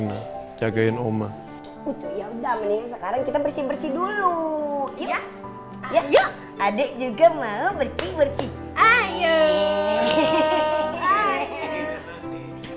nah jagain oma udah mending sekarang kita bersih bersih dulu ya ya adik juga mau bersih bersih